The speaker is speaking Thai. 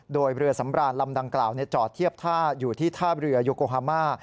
โดยเรือสำรานลำดังกล่าวจอดเทียบท่าอยู่ที่ท่าเรือโยโกฮามา